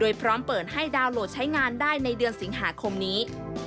พร้อมเปิดให้ดาวน์โหลดใช้งานได้ในเดือนสิงหาคมนี้